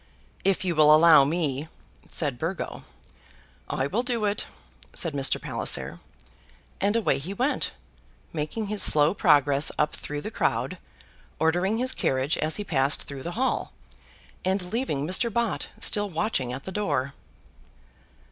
"If you will allow me " said Burgo. "I will do it," said Mr. Palliser; and away he went, making his slow progress up through the crowd, ordering his carriage as he passed through the hall, and leaving Mr. Bott still watching at the door.